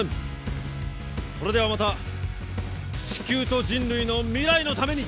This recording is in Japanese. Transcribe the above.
それではまた地球と人類の未来のために。